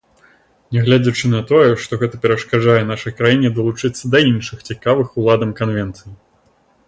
Нягледзячы на тое, што гэта перашкаджае нашай краіне далучыцца да іншых цікавых уладам канвенцый.